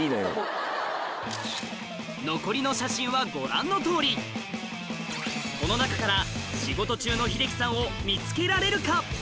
残りの写真はご覧のとおりこの中から仕事中の英樹さんを見つけられるか？